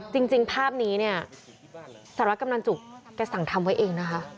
จริงภาพนี้เนี่ยสารวัตกำนันจุกแกสั่งทำไว้เองนะคะ